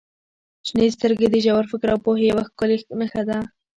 • شنې سترګې د ژور فکر او پوهې یوه ښکلې نښه دي.